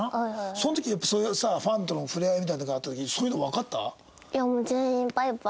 その時そういうさファンとの触れ合いみたいのとかあった時そういうのわかった？